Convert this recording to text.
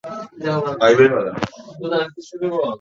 শেষ করে দাও ওকে!